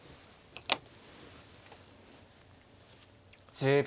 １０秒。